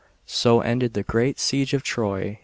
So ended the great siege of Troy.